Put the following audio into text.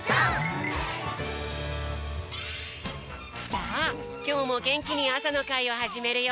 さあきょうもげんきにあさのかいをはじめるよ。